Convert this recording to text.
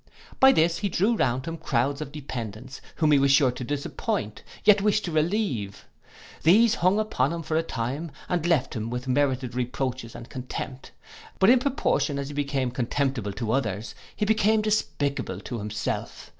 By this he drew round him crowds of dependants, whom he was sure to disappoint; yet wished to relieve. These hung upon him for a time, and left him with merited reproaches and contempt. But in proportion as he became contemptable to others, he became despicable to himself.